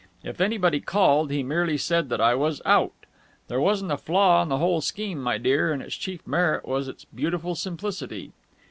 If anybody called, he merely said that I was out. There wasn't a flaw in the whole scheme, my dear, and its chief merit was its beautiful simplicity."